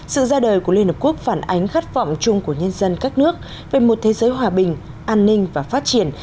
sự ra đời của liên hợp quốc phản ánh khát vọng chung của nhân dân các nước về một thế giới hòa bình an ninh và phát triển